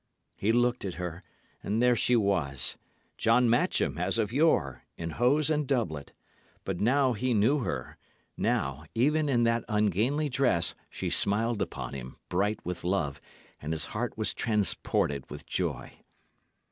He looked at her, and there she was John Matcham, as of yore, in hose and doublet. But now he knew her; now, even in that ungainly dress, she smiled upon him, bright with love; and his heart was transported with joy.